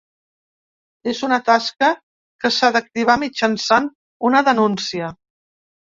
És una tasca que s’ha d’activar mitjançant una denúncia.